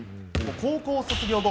高校卒業後